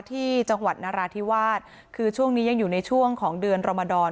ที่จังหวัดนราธิวาสคือช่วงนี้ยังอยู่ในช่วงของเดือนรมดร